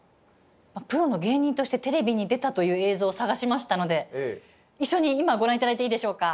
プロの芸人としてテレビに出たという映像を探しましたので一緒に今ご覧頂いていいでしょうか？